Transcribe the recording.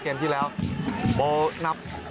เกมที่แล้วโบนับ